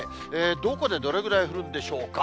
どこでどれぐらい降るんでしょうか。